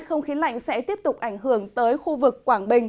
không khí lạnh sẽ tiếp tục ảnh hưởng tới khu vực quảng bình